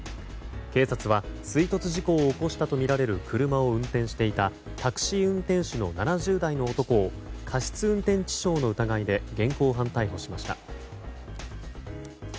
警察は追突事故を起こしたとみられる車を運転していたタクシー運転手の７０代の男を過失運転致傷の疑いで現行犯逮捕しました。